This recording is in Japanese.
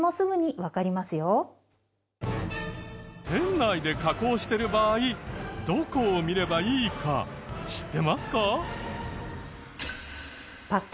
店内で加工してる場合どこを見ればいいか知ってますか？